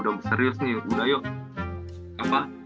karena yang abu abu